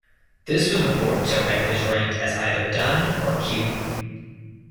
This was before Tohei was ranked as either dan or kyu.